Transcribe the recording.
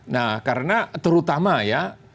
nah karena terutama ya